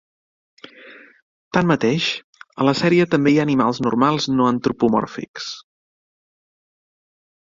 Tanmateix, a la sèrie també hi ha animals normals no antropomòrfics.